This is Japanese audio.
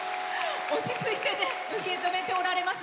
落ち着いて受け止めておられます。